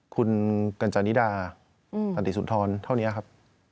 คุณกัญญาณนิดาอัตติสุทธรณ์เท่านี้ครับ